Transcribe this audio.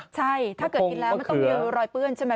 ใช่ถ้าเกิดกินแล้วมันต้องมีรอยเปื้อนใช่ไหม